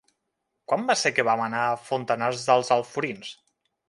Quan va ser que vam anar a Fontanars dels Alforins?